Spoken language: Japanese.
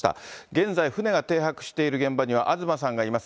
現在船が停泊している現場には東さんがいます。